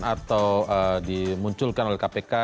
atau dimunculkan oleh kpk